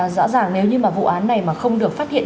rõ ràng nếu như mà vụ án này mà không được phát hiện